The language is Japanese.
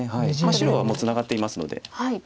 白はもうツナがっていますので。